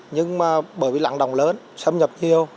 nhưng mà bởi vì lặng đồng lớn xâm nhập nhiều